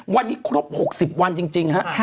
วันนี้ครบ๖๐วันจริงฮะ